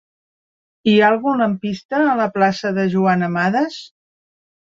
Hi ha algun lampista a la plaça de Joan Amades?